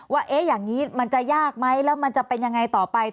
ว่าอย่างนี้มันจะยากไหมแล้วมันจะเป็นยังไงต่อไป